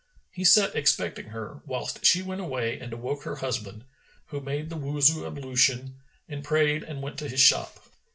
He sat expecting her, whilst she went away and awoke her husband, who made the Wuzu ablution and prayed and went to his shop.